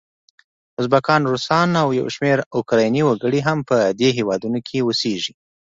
ازبکان، روسان او یو شمېر اوکرایني وګړي هم په دې هیواد کې اوسیږي.